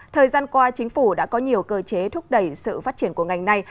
thời gian qua chính phủ đã có nhiều cơ chế thúc đẩy sự phát triển của ngành này